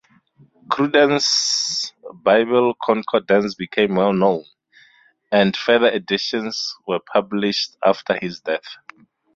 Cruden's Bible Concordance became well-known, and further editions were published after his death.